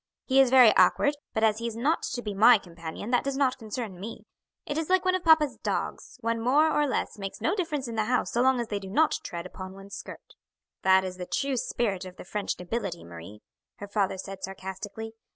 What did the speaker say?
"He is very awkward; but as he is not to be my companion that does not concern me. It is like one of papa's dogs, one more or less makes no difference in the house so long as they do not tread upon one's skirt." "That is the true spirit of the French nobility, Marie," her father said sarcastically.